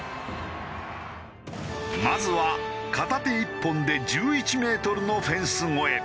まずは片手一本で１１メートルのフェンス越え。